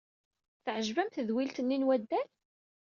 Teɛjeb-am tedwilt-nni n waddal?